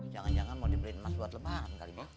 jangan jangan mau diberi emas buat lebaran kali ya